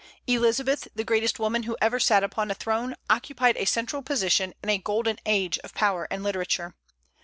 Elizabeth, the greatest woman who ever sat upon a throne, occupied a central position in a golden age of power and literature.